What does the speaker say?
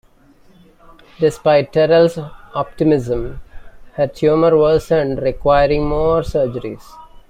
Despite Terrell's optimism, her tumor worsened requiring more surgeries.